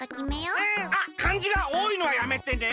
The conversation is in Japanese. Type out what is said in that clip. うん！あっかんじがおおいのはやめてね！